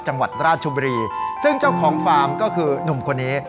จังหวัดราชบุรีซึ่งเจ้าของฟาร์มก็คือหนุ่มคนนี้